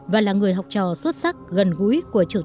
và là người học trò xuất sắc gần gũi của trung ương đảng